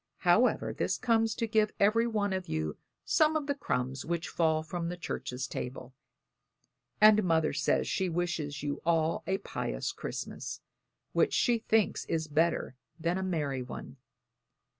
However, this comes to give every one of you some of the crumbs which fall from the church's table, and Mother says she wishes you all a pious Christmas, which she thinks is better than a merry one.